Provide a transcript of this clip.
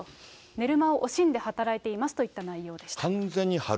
寝る間を惜しんで働いていますといった内容でした。